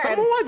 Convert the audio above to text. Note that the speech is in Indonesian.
semua juga ada